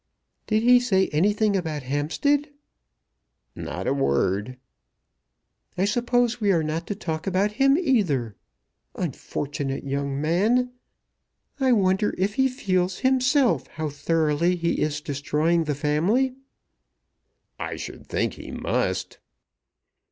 "Did he say anything about Hampstead?" "Not a word." "I suppose we are not to talk about him either! Unfortunate young man! I wonder whether he feels himself how thoroughly he is destroying the family." "I should think he must."